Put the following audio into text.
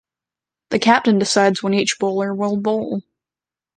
The captain decides when each bowler will bowl.